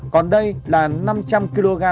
còn đây là năm trăm linh kg